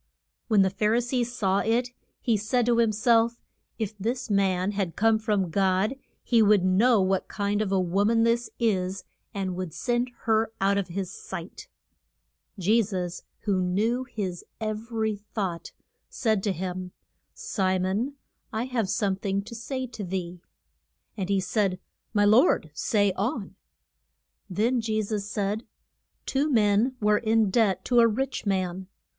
When the Phar i see saw it he said to him self, If this man had come from God he would know what kind of a wo man this is, and would send her out of his sight. Je sus, who knew his every thought, said to him, Si mon, I have some thing to say to thee. [Illustration: WASH ING HANDS IN THE EAST.] And he said, My lord, say on. Then Je sus said, Two men were in debt to a rich man.